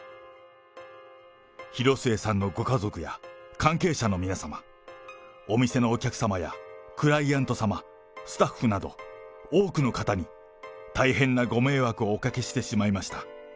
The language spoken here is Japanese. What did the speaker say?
広末さんのご家族や関係者の皆様、お店のお客様やクライアント様、スタッフなど、多くの方に大変なご迷惑をおかけしてしまいました。